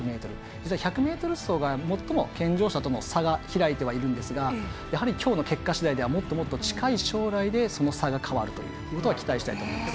実は１００ｍ走が最も健常者との差が開いてはいるんですがきょうの結果しだいではもっともっと近い将来でその差が変わるということは期待したいと思います。